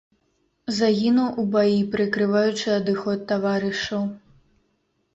Загінуў у баі, прыкрываючы адыход таварышаў.